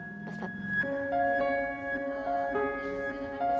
ketika klinik kecantikan sudah berjalan klinik kecantikan sudah berjalan